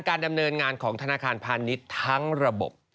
ปิดไปเยอะมาก